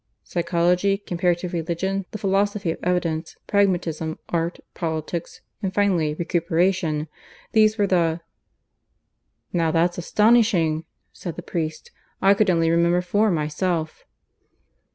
"Psychology, Comparative Religion, the Philosophy of Evidence, Pragmatism, Art, Politics, and finally Recuperation. These were the " "Now that's astonishing!" said the priest. "I could only remember four myself."